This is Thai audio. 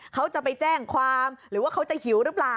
เขาจะไปแจ้งความหรือว่าเขาจะหิวหรือเปล่า